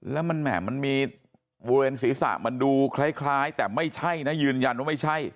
แล้วมันแหม่มันมีบริเวณศีรษะมันดูคล้ายแต่ไม่ใช่นะยืนยันว่าไม่ใช่